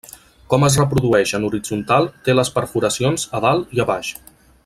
Com es reprodueix en horitzontal té les perforacions a dalt i a baix.